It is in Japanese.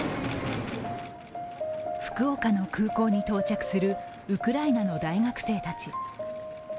福岡の空港に到着するウクライナの大学生たち。